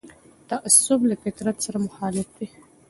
تعصب له فطرت سره مخالف دی